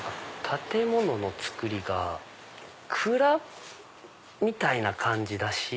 建物の造りが蔵みたいな感じだし。